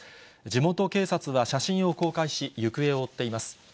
地元警察は写真を公開し、行方を追っています。